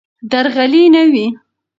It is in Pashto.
درغلي نه وي.